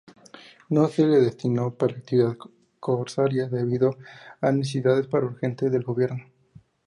No se le destinó para actividades corsarias debido a necesidades más urgentes del gobierno.